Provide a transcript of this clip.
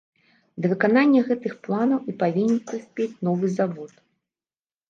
Да выканання гэтых планаў і павінен прыспець новы завод.